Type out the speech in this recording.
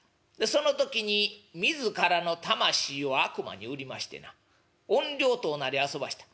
その時に自らの魂を悪魔に売りましてな怨霊とおなりあそばした。